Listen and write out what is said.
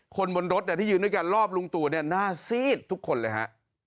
คนบนรถที่ยืนด้วยกันรอบลุงตู่เนี่ยหน้าซีดทุกคนเลยฮะ